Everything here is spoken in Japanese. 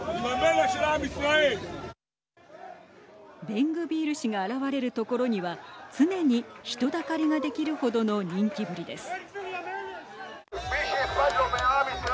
ベングビール氏が現れる所には常に人だかりが出来る程の人気ぶりです。